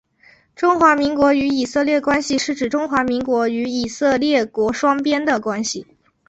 中华民国与以色列关系是指中华民国与以色列国双边的关系。